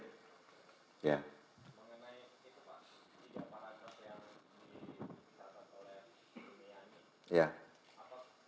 mengenai tiga para kesehatan yang disatakan oleh dunia ini